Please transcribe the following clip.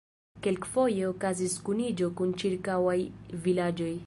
Kelkfoje okazis kuniĝo kun ĉirkaŭaj vilaĝoj.